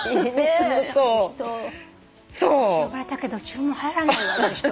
「私呼ばれたけど注文入らないわあの人。